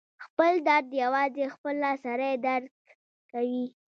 خپل درد یوازې خپله سړی درک کوي.